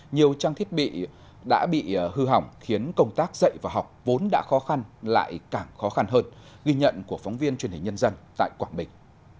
nhiều trang thiết bị đã bị hư hỏng khiến công tác dạy và học vốn đã khó khăn lại càng khó khăn hơn ghi nhận của phóng viên truyền hình nhân dân tại quảng bình